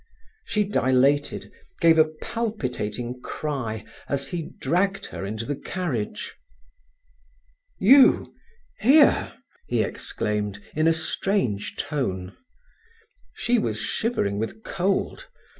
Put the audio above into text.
She dilated, gave a palpitating cry as he dragged her into the carriage. "You here!" he exclaimed, in a strange tone. She was shivering with cold.